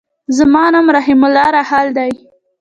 زما نوم رحيم الله راحل دی.